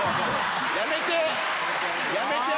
やめて！